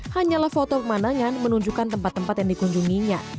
hanyalah foto pemanangan menunjukkan tempat tempat yang dikunjunginya